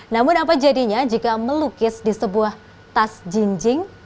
namun apa jadinya jika melukis di sebuah tas jinjing